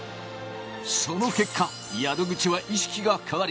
その結果、宿口は意識が変わり